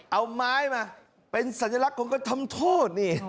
เอาไม้มาเป็นสัญลักษณ์ของการทำโทษนี่